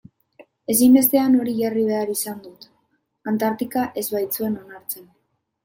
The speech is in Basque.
Ezinbestean hori jarri behar izan dut, Antartika ez baitzuten onartzen.